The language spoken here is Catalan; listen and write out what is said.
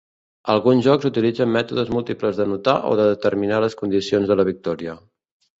Alguns jocs utilitzen mètodes múltiples d'anotar o de determinar les condicions de la victòria.